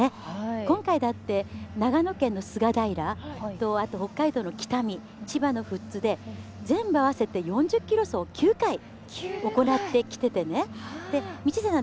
今回だって長野県とあと北海道と千葉の富津で全部合わせて４０ｋｍ走を９回行ってきてて道下さん